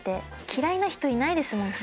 嫌いな人いないですもん。